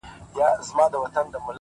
هوښیار انسان د احساساتو توازن ساتي؛